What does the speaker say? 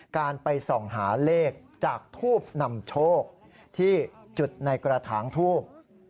การไปส่องหาเลขจากทูบนำโชคที่จุดในกระถางทูบ